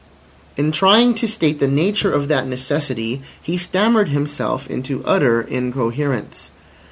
In trying to state the nature of that necessity he stammered himself into utter incoherence.